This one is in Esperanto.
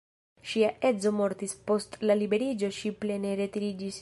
Ŝia edzo mortis, post la liberiĝo ŝi plene retiriĝis.